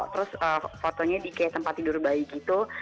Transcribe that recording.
terus fotonya di kayak tempat tidur bayi gitu